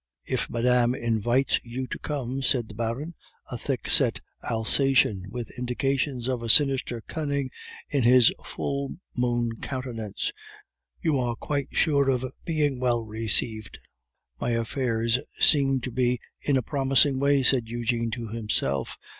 "If Matame infites you to come," said the Baron, a thickset Alsatian, with indications of a sinister cunning in his full moon countenance, "you are quide sure of being well receifed." "My affairs seem to be in a promising way," said Eugene to himself.